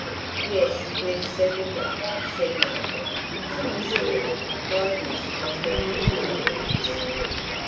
"Yes, we've settled that," said Margaret, undisturbed by his strategic blunderings.